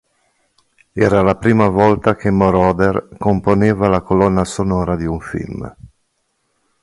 Era la prima volta che Moroder componeva la colonna sonora di un film.